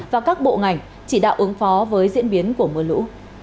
và các bộ ngành chỉ đạo ứng phó với diễn biến của mưa lũ